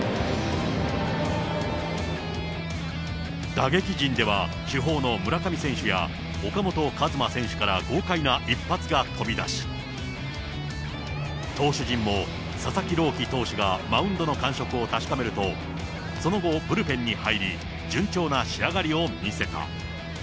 打撃陣では、主砲の村上選手や、岡本和真選手から、豪快な一発が飛び出し、投手陣も佐々木朗希投手がマウンドの感触を確かめると、その後、ブルペンに入り、順調な仕上がりを見せた。